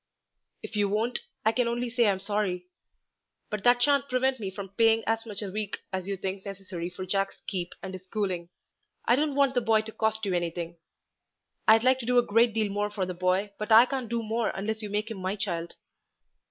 "If you won't, I can only say I am sorry; but that shan't prevent me from paying you as much a week as you think necessary for Jack's keep and his schooling. I don't want the boy to cost you anything. I'd like to do a great deal more for the boy, but I can't do more unless you make him my child."